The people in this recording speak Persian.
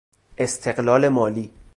استقلال مالی